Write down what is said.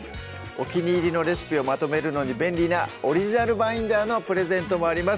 お気に入りのレシピをまとめるのに便利なオリジナルバインダーのプレゼントもあります